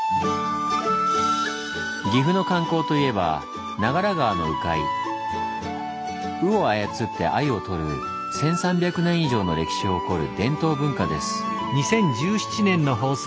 岐阜の観光といえば鵜を操って鮎をとる１，３００年以上の歴史を誇る伝統文化です。